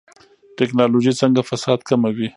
ټکنالوژي څنګه فساد کموي؟